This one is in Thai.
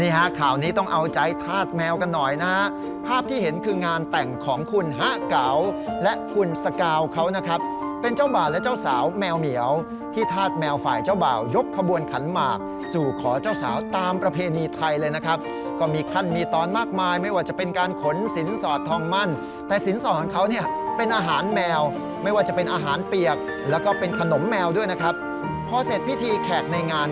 นี่ฮะข่าวนี้ต้องเอาใจทาสแมวกันหน่อยนะฮะภาพที่เห็นคืองานแต่งของคุณฮะเก๋าและคุณสกาวเขานะครับเป็นเจ้าบ่าวและเจ้าสาวแมวเหมียวที่ทาสแมวฝ่ายเจ้าบ่ายกขบวนขันมากสู่ขอเจ้าสาวตามประเพณีไทยเลยนะครับก็มีขั้นมีตอนมากมายไม่ว่าจะเป็นการขนสินสอดทองมั่นแต่สินสอดของเขาเนี่ยเป็นอาห